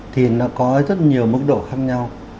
thì nó có rất nhiều mức độ khác nhau